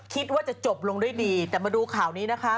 คิดว่าจะจบลงด้วยดีแต่มาดูข่าวนี้นะคะ